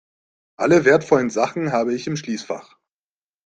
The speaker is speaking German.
Alle wertvollen Sachen habe ich im Schließfach.